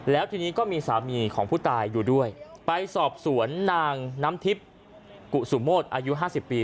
แล้วทีนี้ก็มีสามีของผู้ตายอยู่ด้วยไปสอบสวนนางน้ำทิพย์กุสุโมดอายุ๕๐ปี